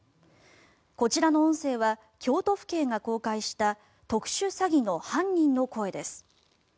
こちらの音声は京都府警が公開した特殊詐欺の犯人の声です。